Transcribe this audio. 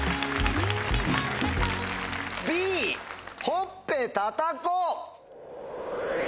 Ｂほっぺたたこう。